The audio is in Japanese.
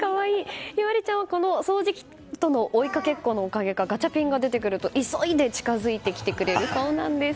向日葵ちゃんは掃除機との追いかけっこのおかげかガチャピンが出てくると急いで近づいてきてくれるそうです。